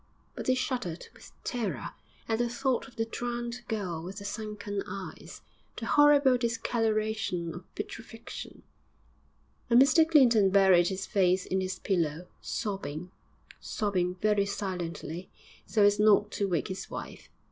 But he shuddered with terror at the thought of the drowned girl with the sunken eyes, the horrible discolouration of putrefaction; and Mr Clinton buried his face in his pillow, sobbing, sobbing very silently so as not to wake his wife....